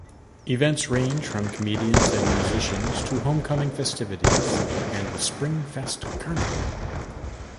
Events range from comedians and musicians to Homecoming festivities and the Springfest Carnival.